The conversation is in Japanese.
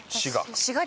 滋賀。